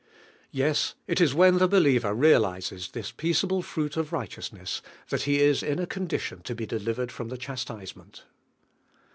Yes; it is when the believer realises this "peaceable fruit of righteous T8 D1V1HA HEALINO. ness," flhat 'he is in a condition to be deliv ered fn>m the chastisement.